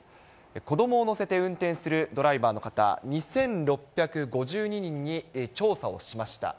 子どもを乗せて運転するドライバーの方、２６５２人に調査をしました。